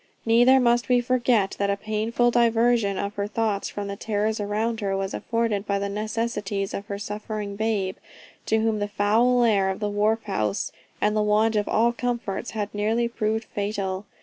Neither must we forget that a painful diversion of her thoughts from the terrors around her, was afforded by the necessities of her suffering babe, to whom the foul air of the wharf house, and the want of all comforts, had nearly proved fatal.